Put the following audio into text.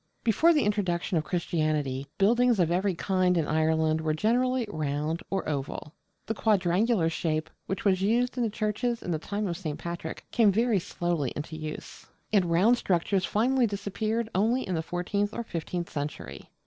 Before the introduction of Christianity, buildings of every kind in Ireland were generally round or oval. The quadrangular shape, which was used in the churches in the time of St. Patrick, came very slowly into use; and round structures finally disappeared only in the fourteenth or fifteenth century.